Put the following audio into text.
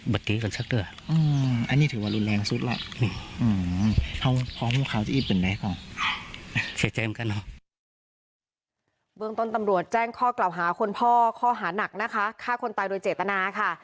เมืองต้นตำรวจแจ้งข้อกล่าวหาคนพ่อข้อหานักนะคะฆ่าคนตายโดยเจตนาค่ะ